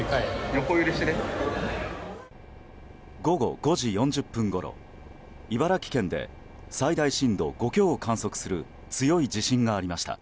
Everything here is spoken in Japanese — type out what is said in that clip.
午後５時４０分ごろ茨城県で最大震度５強を観測する強い地震がありました。